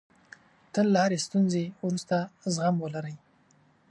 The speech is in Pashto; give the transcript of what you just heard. تل له هرې ستونزې وروسته زغم ولرئ.